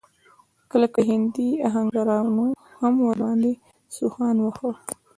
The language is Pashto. کله کله هندي اهنګرانو هم ور باندې سوهان واهه.